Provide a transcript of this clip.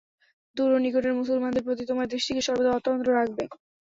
দুর ও নিকটের মুসলমানদের প্রতি তোমার দৃষ্টিকে সর্বদা অতন্দ্র রাখবে।